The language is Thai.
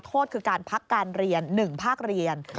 โทษคือการพักการเรียน๑ภาคเรียน